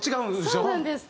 そうなんです！